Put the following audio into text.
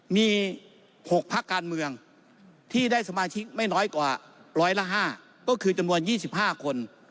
มี๖พักการเมืองที่ได้สมาชิกไม่น้อยกว่าร้อยละ๕ก็คือจำนวน๒๕คน